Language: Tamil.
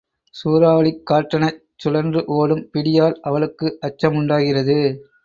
சூறாவளிக் காற்றெனச் சுழன்று ஓடும் பிடியால் அவளுக்கு அச்ச முண்டாகிறது.